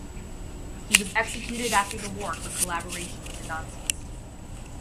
He was executed after the war for collaboration with the Nazis.